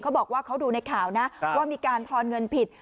เขาบอกว่าเขาดูในข่าวนะว่ามีการทอนเงินผิด